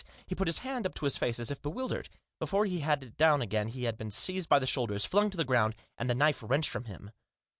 He put his hand up to his face, as if bewildered. Before he had it down again he had been seized by the shoulders, flung to the ground, and the knife wrenched from him.